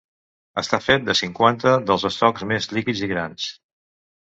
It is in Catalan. Està fet de cinquanta dels estocs més líquids i grans.